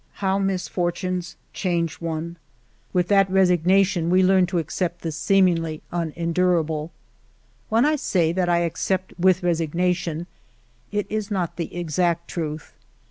How misfor tunes change one ! With that resignation we learn to accept the seemingly unendurable. ... ALFRED DREYFUS 275 When I say that I accept with resignation, it is not the exact truth.